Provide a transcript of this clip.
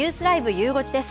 ゆう５時です。